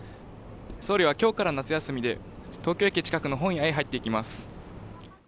総理は今日から夏休みで東京駅近くの本屋へ入っていきます。